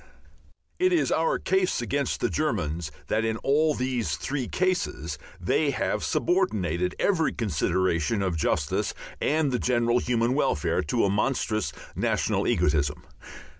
It is our case against the Germans that in all these three cases they have subordinated every consideration of justice and the general human welfare to a monstrous national egotism.